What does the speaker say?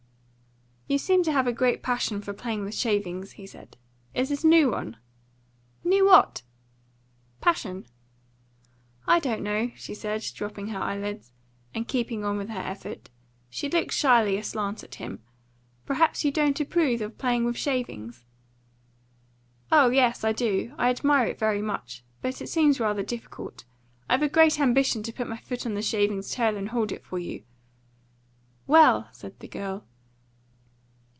"You seem to have a great passion for playing with shavings," he said. "Is it a new one?" "New what?" "Passion." "I don't know," she said, dropping her eyelids, and keeping on with her effort. She looked shyly aslant at him. "Perhaps you don't approve of playing with shavings?" "Oh yes, I do. I admire it very much. But it seems rather difficult. I've a great ambition to put my foot on the shaving's tail and hold it for you." "Well," said the girl.